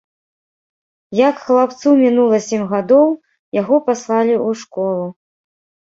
Як хлапцу мінула сем гадоў, яго паслалі ў школу.